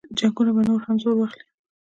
جنګونه به نور زور هم واخلي.